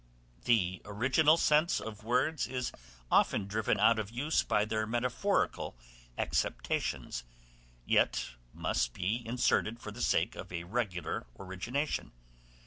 The original sense of words is often driven out of use by their metaphorical acceptations, yet must be inserted for the sake of a regular origination.